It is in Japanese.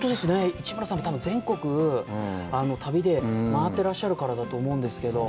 市村さんも多分、全国、旅で回っていらっしゃるからだと思うんですけど。